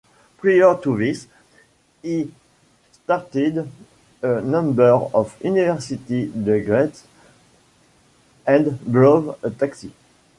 Prior to this, he started a number of university degrees and drove a taxi.